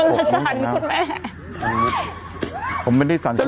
นี่ะโหเดี๋ยวเดี๋ยวเดี๋ยวเดี๋ยวเสมอไหมล่ะ